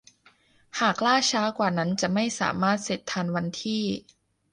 หากล่าช้ากว่านั้นจะไม่สามารถเสร็จทันวันที่